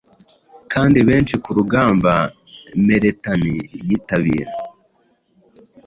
Kandi benshi kurugamba mere-thane yitabira